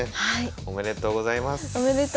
おめでとうございます。